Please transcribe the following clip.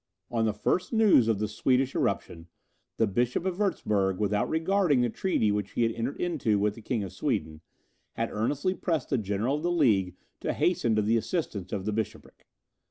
On the first news of the Swedish irruption, the Bishop of Wurtzburg, without regarding the treaty which he had entered into with the King of Sweden, had earnestly pressed the general of the League to hasten to the assistance of the bishopric.